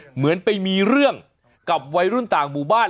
เหมือนไปมีเรื่องกับวัยรุ่นต่างหมู่บ้าน